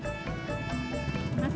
sama sama pak ji